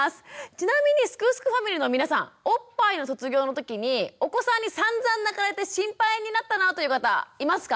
ちなみにすくすくファミリーの皆さんおっぱいの卒業の時にお子さんにさんざん泣かれて心配になったなぁという方いますか？